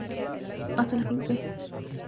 Este tipo de arroces se sirve caliente.